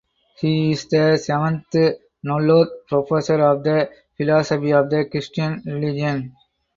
He is the seventh Nolloth Professor of the Philosophy of the Christian Religion.